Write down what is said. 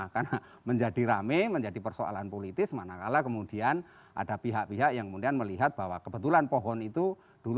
karena menjadi rame menjadi persoalan politis manakala kemudian ada pihak pihak yang kemudian melihat bahwa kebetulan pohon itu